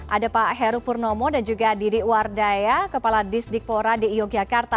ada pak heru purnomo dan juga didi wardaya kepala disdikpora di yogyakarta